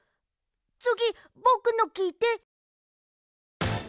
つぎぼくのきいて。